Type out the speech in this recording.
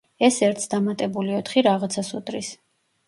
ეს ერთს დამატებული ოთხი რაღაცას უდრის.